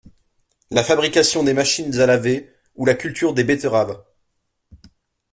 la fabrication des machines à laver ou la culture des betteraves.